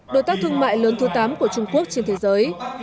đối tác thương mại lớn thứ tám của trung quốc trên thế giới